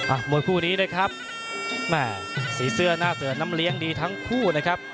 มวยคู่นี้นะครับแม่สีเสื้อหน้าเสือน้ำเลี้ยงดีทั้งคู่นะครับ